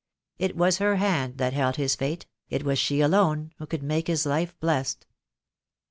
It was her hand that held his fate: it was she alone who could make his life blessed.